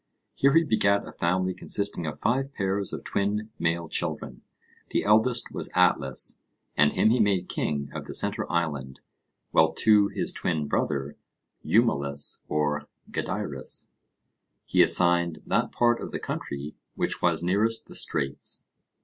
Here he begat a family consisting of five pairs of twin male children. The eldest was Atlas, and him he made king of the centre island, while to his twin brother, Eumelus, or Gadeirus, he assigned that part of the country which was nearest the Straits.